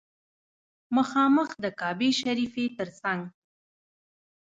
مخامخ د کعبې شریفې تر څنګ.